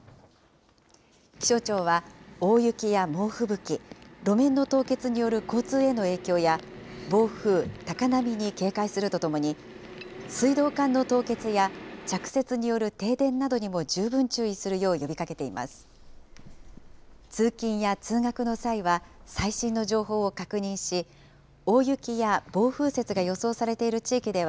気象庁は、大雪や猛吹雪、路面の凍結による交通への影響や、暴風、高波に警戒するとともに、水道管の凍結や着雪による停電などにも十分注意するよう呼びかけています。